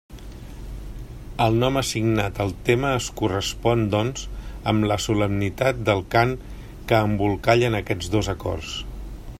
El nom assignat al tema es correspon, doncs, amb la solemnitat del cant que embolcallen aquests dos acords.